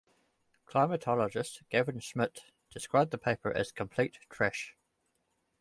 Climatologist Gavin Schmidt described the paper as "complete trash".